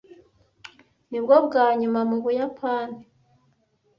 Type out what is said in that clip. Nibwo bwa nyuma mu Buyapani?